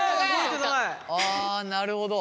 あなるほど。